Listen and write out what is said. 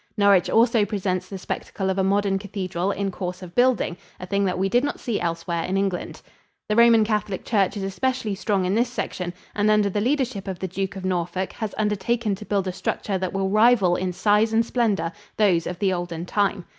Norwich also presents the spectacle of a modern cathedral in course of building, a thing that we did not see elsewhere in England. The Roman Catholic Church is especially strong in this section, and under the leadership of the Duke of Norfolk has undertaken to build a structure that will rival in size and splendor those of the olden time.